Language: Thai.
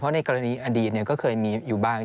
เพราะในกรณีอดีตเนี่ยก็เคยมีอยู่บ้าง